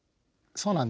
そうなんです。